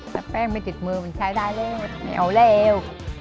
แต่แป้งไม่ติดมือมันใช้ได้แล้วไม่เอาแล้ว